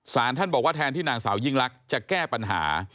สารท่านบอกว่าแทนที่นางสาวยิ่งลักษณ์จะแก้ปัญหา